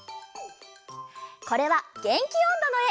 これは「げんきおんど」のえ。